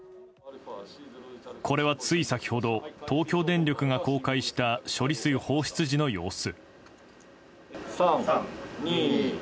これは、つい先ほど東京電力が公開した処理水放出時の様子。